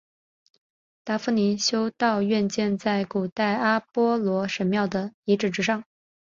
达夫尼修道院建在古代阿波罗神庙的遗址之上。